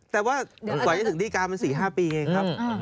แต่ว่ากว่าจะถึงดีการมัน๔๕ปีไงครับ